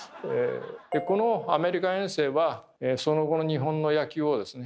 このアメリカ遠征はその後の日本の野球をですね